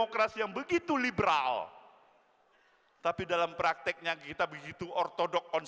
tapi ini tidak persetujuan